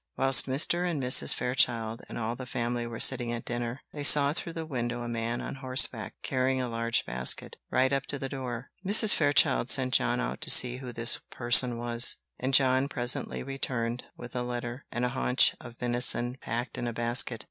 Whilst Mr. and Mrs. Fairchild and all the family were sitting at dinner, they saw through the window a man on horseback, carrying a large basket, ride up to the door. Mrs. Fairchild sent John out to see who this person was; and John presently returned with a letter, and a haunch of venison packed in a basket.